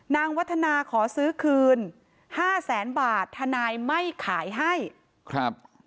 วัฒนาขอซื้อคืนห้าแสนบาททนายไม่ขายให้ครับ